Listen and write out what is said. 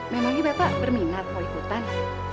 memang ini bapak berminat mau ikutan